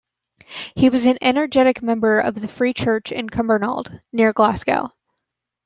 He was an energetic member of the Free Church in Cumbernauld, near Glasgow.